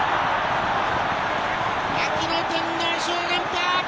秋の天皇賞連覇！